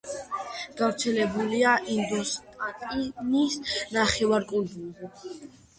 გავრცელებულია ინდოსტანის ნახევარკუნძულზე.